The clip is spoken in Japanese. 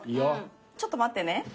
ちょっと待ってね。